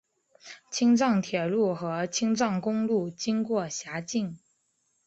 青藏铁路和青藏公路经过辖境。